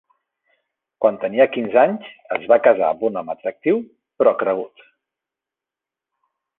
Quan tenia quinze anys, es va casar amb un home atractiu però cregut.